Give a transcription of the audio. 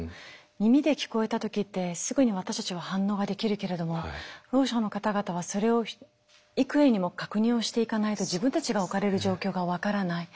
耳で聞こえた時ってすぐに私たちは反応ができるけれどもろう者の方々はそれを幾重にも確認をしていかないと自分たちが置かれる状況が分からない。